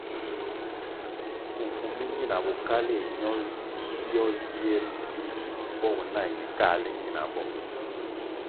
Kuku mi ñina bokaléh ño dzio zie ri si bogo nah ñe káhle ñinabo.